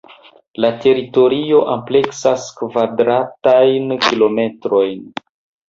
La teritorio ampleksas kvadratajn kilometrojn.